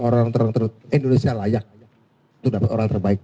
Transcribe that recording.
orang terutama indonesia layak untuk dapat orang terbaik